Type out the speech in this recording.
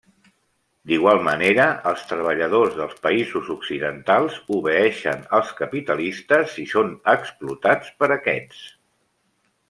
D’igual manera, els treballadors dels països occidentals obeeixen als capitalistes i són explotats per aquests.